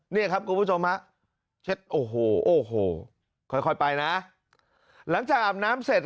นี่ครับกูผู้ชมนะโอ้โหโอ้โหค่อยไปนะหลังจากอาบน้ำเสร็จ